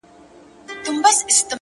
د کلي سيند راته هغه لنده خيسته راوړې;